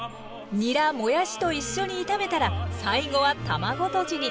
にらもやしと一緒に炒めたら最後は卵とじに。